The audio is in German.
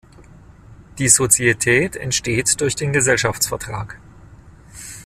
Die Sozietät entsteht durch den Gesellschaftsvertrag.